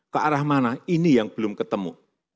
ke arah mana ini yang belum ketemu